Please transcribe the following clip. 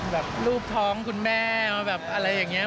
แบบรูปท้องคุณแม่มาแบบอะไรอย่างนี้